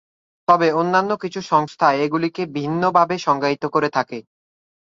তবে অন্যান্য কিছু সংস্থা এগুলিকে ভিন্নভাবে সংজ্ঞায়িত করে থাকে।